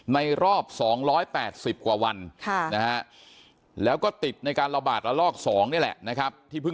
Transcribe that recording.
ในรอบ๒๘๐กว่าวันแล้วก็ติดในการระบาดระลอก๒นี่แหละ